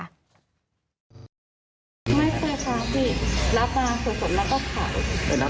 ไม่เคยครับพี่รับตัวส่วนสดแล้วก็ขาย